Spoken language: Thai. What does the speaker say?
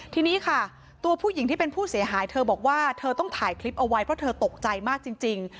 ทีนี้ค่ะตัวผู้หญิงที่เป็นผู้เสียหายเธอบอกว่าเธอต้องถ่ายคลิปเอาไว้เพราะเธอตกใจมากจริง